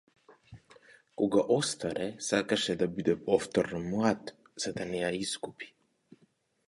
Кога остаре, сакаше да биде повторно млад за да не ја изгуби.